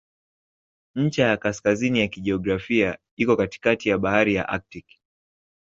Ncha ya kaskazini ya kijiografia iko katikati ya Bahari ya Aktiki.